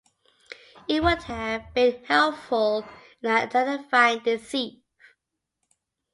It would have been helpful in identifying the thief.